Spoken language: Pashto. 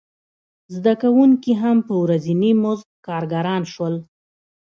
زده کوونکي هم په ورځیني مزد کارګران شول.